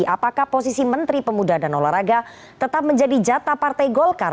apakah posisi menteri pemuda dan olahraga tetap menjadi jatah partai golkar